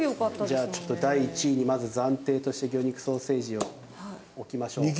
じゃあちょっと第１位にまず暫定として魚肉ソーセージを置きましょう。